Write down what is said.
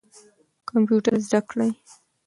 کمپیوټر زده کړئ.